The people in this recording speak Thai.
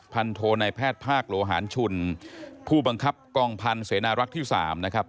โทนายแพทย์ภาคโลหารชุนผู้บังคับกองพันธุ์เสนารักษ์ที่๓นะครับ